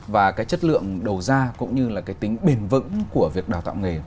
và cái chất lượng đầu ra cũng như là cái tính bền vững của việc đào tạo nghề